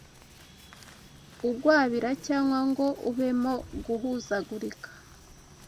ugwabira cyangwa ngo ubemo guhuzagurika.